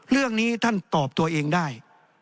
เรื่องนี้ท่านตอบตัวเองได้